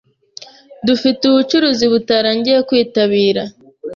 Dufite ubucuruzi butarangiye kwitabira.